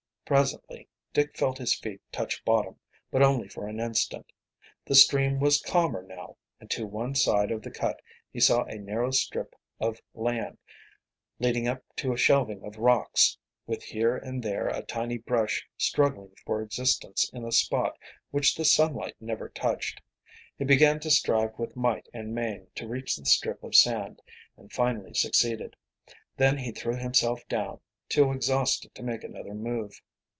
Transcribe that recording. Presently Dick felt his feet touch bottom, but only for an instant. The stream was calmer now, and to one side of the cut he saw a narrow strip of band, leading up to a shelving of rocks, with here and there a tiny brush struggling for existence in a spot which the sunlight never touched. He began to strive with might and main to reach the strip of sand, and finally succeeded. Then he threw himself down, too exhausted to make another move.